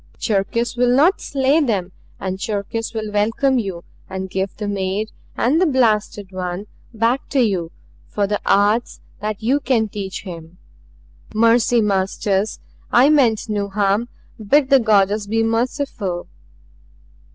Cherkis will not slay them and Cherkis will welcome you and give the maid and the blasted one back to you for the arts that you can teach him. "Mercy, Masters, I meant no harm bid the Goddess be merciful!"